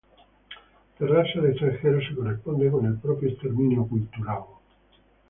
Cerrarse al extranjero se corresponde con el propio exterminio cultural.